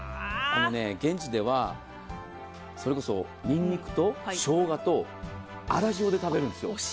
現地ではそれこそにんにくとしょうがと粗塩で食べるんですよ。